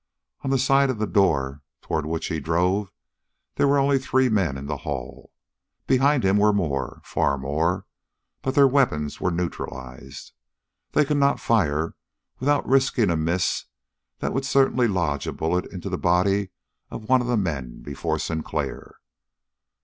On the side of the door toward which he drove there were only three men in the hall; behind him were more, far more, but their weapons were neutralized. They could not fire without risking a miss that would be certain to lodge a bullet in the body of one of the men before Sinclair.